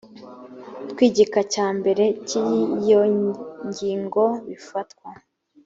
tw igika cya mbere cy iyi ngingo bifatwa